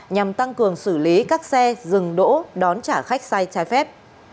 nhằm tăng cường xử lý các xe dừng đỗ đón trả khách sai trái phép